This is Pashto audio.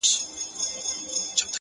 د زړه جيب كي يې ساتم انځورونه ‘گلابونه’